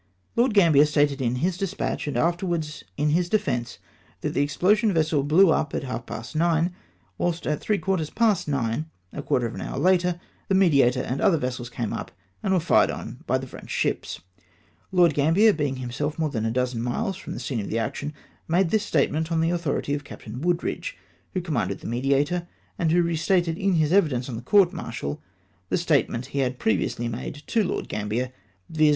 Lord. Gambier stated in his despatch, and afterwards in his defence, that the explosion vessel blew up at half past nine, whilst at three quarters past nine [a quarter of an hour later\ the Mediator and other vessels came up, and were fired on by the French ships ! Lord Gambier, being himself more than a dozen miles from the scene of action, made this statement on the authority of Captain Wooldridge, who commanded the Mediator, and who reiterated in his evidence on the court martial the statement he had previously made to Lord Gambier, viz.